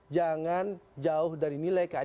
jangan jauh dari nilai keadilan